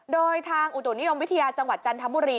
โดยทางอุตุนิยมวิทยาจังหวัดจันทบุรี